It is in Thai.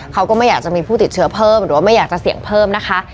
เขาก็ไม่อยากจะมีผู้ติดเชื้อเพิ่มหรือว่าไม่อยากจะเสี่ยงเพิ่มนะคะ